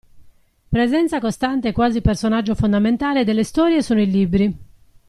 Presenza costante e quasi personaggio fondamentale delle storie sono i libri.